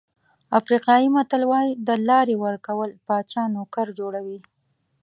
افریقایي متل وایي د لارې ورکول پاچا نوکر جوړوي.